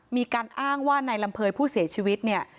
มีการอ้างว่านายลำเภยผู้เสียชีวิตเนี่ย